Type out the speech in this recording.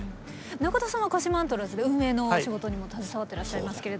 中田さんは鹿島アントラーズで運営のお仕事にも携わってらっしゃいますけれどもいかがでした？